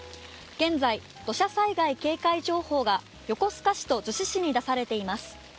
現在、土砂災害警戒情報が横須賀市と逗子市に出されています。